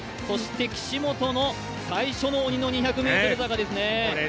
そして、岸本の最初の鬼の２００ｍ坂ですね。